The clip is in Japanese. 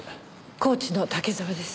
コーチの竹沢です。